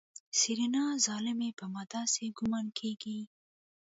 سېرېنا ظالمې په ما داسې ګومان کېږي.